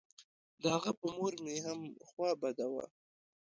د هغه په مور مې هم خوا بده وه.